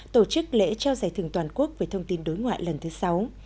tổ chức lễ trao giải thưởng toàn quốc về thông tin đối ngoại lần thứ sáu